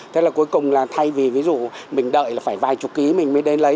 thế là cuối cùng là thay vì ví dụ mình đợi là phải vài chục ký mình mới đến lấy